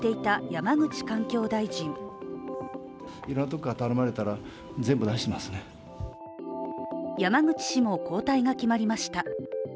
山口氏も交代が決まりました。